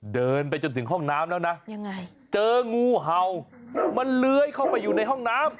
เดินไปจนถึงห้องน้ำแล้วนะยังไงเจองูเห่ามันเลื้อยเข้าไปอยู่ในห้องน้ำ